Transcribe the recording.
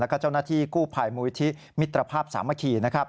แล้วก็เจ้าหน้าที่กู้ภัยมูลิธิมิตรภาพสามัคคีนะครับ